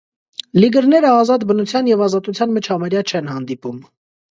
Լիգրները ազատ բնության և ազատության մեջ համարյա չեն հանդիպում։